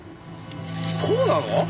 そうなの？